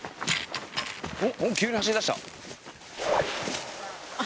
おっ急に走りだした。